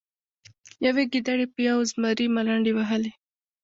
یوې ګیدړې په یو زمري ملنډې وهلې.